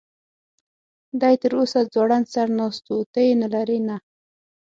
دی تراوسه ځوړند سر ناست و، ته یې نه لرې؟ نه.